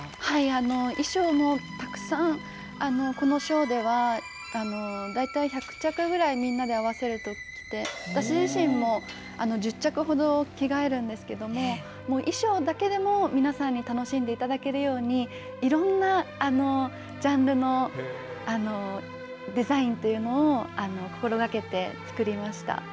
衣装もたくさん、このショーでは、大体１００着ぐらい、みんなで、合わせると、私自身も１０着ほど着替えるんですけれども、もう衣装だけでも皆さんに楽しんでいただけるように、いろんなジャンルのデザインというのを心がけて作りました。